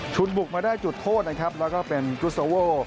ชุนบุกมาได้จุดโทษนะครับและก็เป็นกรูเซริวอล